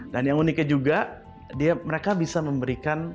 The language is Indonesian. dan yang uniknya juga mereka bisa memberikan